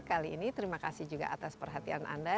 kali ini terima kasih juga atas perhatian anda